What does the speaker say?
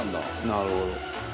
「なるほど」